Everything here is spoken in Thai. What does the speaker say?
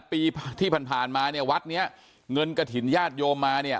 ปีที่ผ่านมาเนี่ยวัดเนี้ยเงินกระถิ่นญาติโยมมาเนี่ย